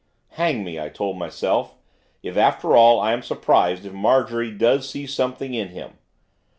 'Hang me!' I told myself, 'if, after all, I am surprised if Marjorie does see something in him.